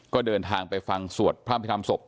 ก็เดินทางไปฟังสวดพระพิธรรมศพ